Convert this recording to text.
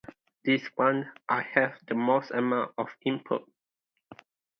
This one I had the most amount of input.